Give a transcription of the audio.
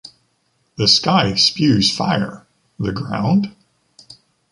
The sky spews fire! The ground